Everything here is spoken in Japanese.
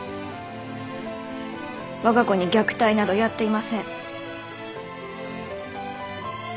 わが子に虐待などやっていません。